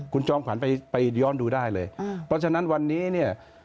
คุณจอมขวัญไปย้อนดูได้เลยเพราะฉะนั้นวันนี้เนี่ย